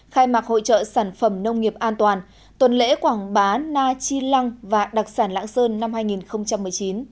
khai mạc hội trợ sản phẩm nông nghiệp an toàn tuần lễ quảng bá na chi lăng và đặc sản lãng sơn năm hai nghìn một mươi chín